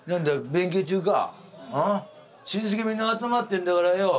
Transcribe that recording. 親戚みんな集まってんだからよ。